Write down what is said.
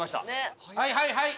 はいはいはい！